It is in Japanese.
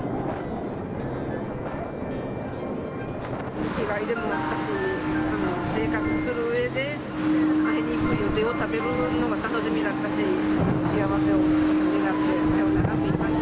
生きがいでもあったし、生活するうえで会いに行く予定を立てるというのが楽しみだったし、幸せを願って、さようならって言いました。